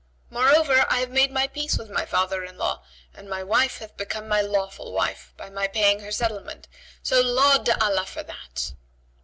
Moreover, I have made my peace with my father in law and my wife hath become my lawful wife by my paying her settlement; so laud to Allah for that!"